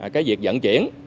cái việc vận chuyển